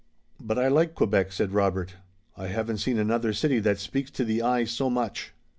"But I like Quebec," said Robert. "I haven't seen another city that speaks to the eye so much."